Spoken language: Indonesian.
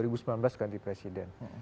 dua ribu sembilan belas ganti presiden